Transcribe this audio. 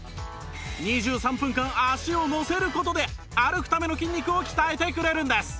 ２３分間足を乗せる事で歩くための筋肉を鍛えてくれるんです